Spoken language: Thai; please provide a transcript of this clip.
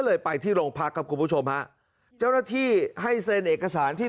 ไปที่โรงพักครับคุณผู้ชมฮะเจ้าหน้าที่ให้เซ็นเอกสารที่